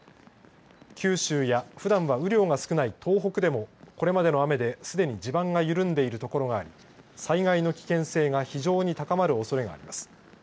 九州や、ふだんは雨量が少ない東北でもこれまでの雨ですでに地盤が緩んでいる所があり災害の危険性が非常に高まるおそれがあります。